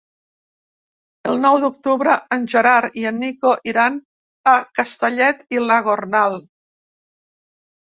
El nou d'octubre en Gerard i en Nico iran a Castellet i la Gornal.